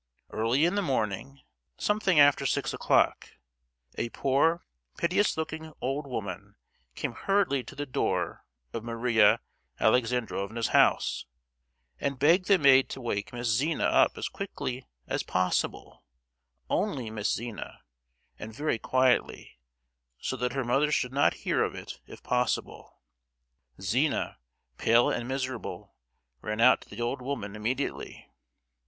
Early in the morning, something after six o'clock, a poor piteous looking old woman came hurriedly to the door of Maria Alexandrovna's house, and begged the maid to wake Miss Zina up as quickly, as possible,—only Miss Zina, and very quietly, so that her mother should not hear of it, if possible. Zina, pale and miserable, ran out to the old woman immediately.